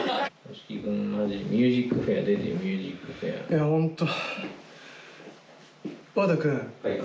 いやホント。